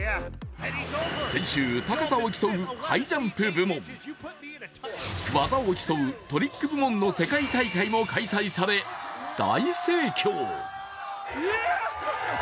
先週高さを競うハイジャンプ部門、技を競うトリック部門も世界大会も開催され大盛況。